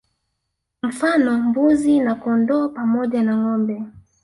Mfano Mbuzi na Kondoo pamoja na Ngombe